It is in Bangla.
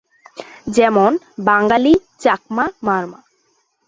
যেমন: বাঙালি, চাকমা, মারমা।